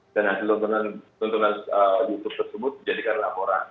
dan hasil tontonan youtube tersebut menjadikan laporan